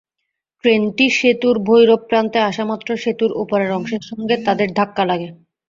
ট্রেনটি সেতুর ভৈরব প্রান্তে আসামাত্র সেতুর ওপরের অংশের সঙ্গে তাঁদের ধাক্কা লাগে।